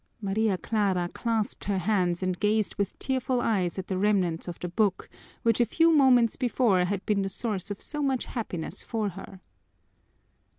Maria Clara clasped her hands and gazed with tearful eyes at the remnants of the book which a few moments before had been the source of so much happiness for her.